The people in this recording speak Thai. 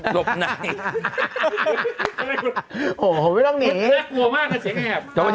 หลบไหนโอ้โหไม่ต้องหนีแล้วกลัวมากนะเสียงแอบ